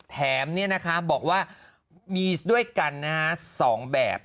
แถมบอกว่ามีด้วยกัน๒แบบ